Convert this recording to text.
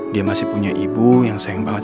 dia masih punya ibu yang sayang banget